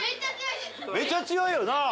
めちゃ強いよな！